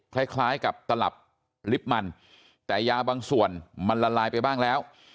คล้ายกับตลับลิฟต์มันแต่ยาบางส่วนมันละลายไปบ้างแล้ว